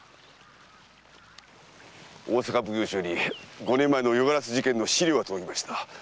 大坂奉行所より五年前の夜鴉事件の資料が届きました。